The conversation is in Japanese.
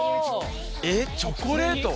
えっチョコレート？